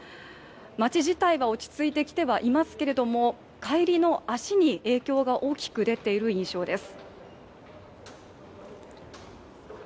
町自体は落ち着いてきてはいますけれども帰りの足に影響が大きく出ている印象です。